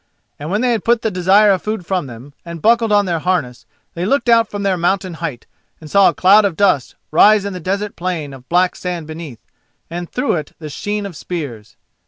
And when they had put the desire of food from them, and buckled on their harness, they looked out from their mountain height, and saw a cloud of dust rise in the desert plain of black sand beneath, and through it the sheen of spears.